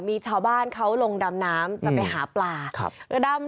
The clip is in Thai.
มีชาวบ้านเขาลงดำน้ำจะไปหาปลาครับ